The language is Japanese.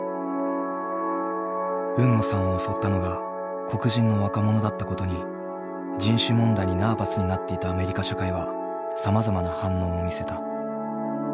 海野さんを襲ったのが黒人の若者だったことに人種問題にナーバスになっていたアメリカ社会はさまざまな反応を見せた。